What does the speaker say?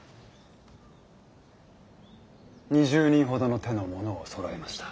２０人ほどの手の者をそろえました。